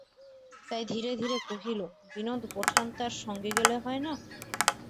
তাই ধীরে ধীরে কহিল, বিনোদ-বোঠান তাঁর সঙ্গে গেলে হয় না?